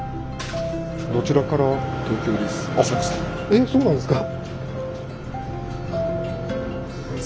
えっそうなんですか？